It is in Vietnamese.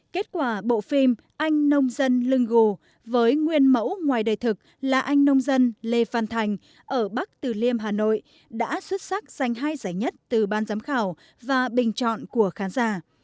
kết quả bộ phim anh nông dân lưng gồ với nguyên mẫu ngoài đời thực là anh nông dân lê phan thành ở bắc từ liêm hà nội đã xuất sắc giành hai giải nhất từ ban giám khảo và bình chọn của khán giả